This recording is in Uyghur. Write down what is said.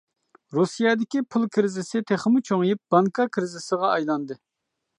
رۇسىيەدىكى پۇل كىرىزىسى تېخىمۇ چوڭىيىپ بانكا كىرىزىسىغا ئايلاندى.